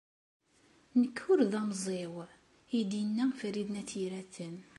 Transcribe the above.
Nekk ur d amẓiw!, ay d-yenna Farid n At Yiraten.